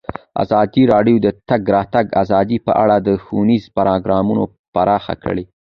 ازادي راډیو د د تګ راتګ ازادي په اړه ښوونیز پروګرامونه خپاره کړي.